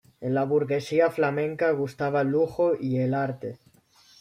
En la burguesía flamenca gustaba el lujo y el arte.